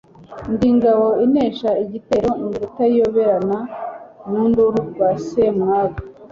Ndi ingabo inesha igitero. Ndi Rutayoberana mu nduru rwa Semwaga